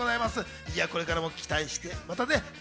これからも期待しています。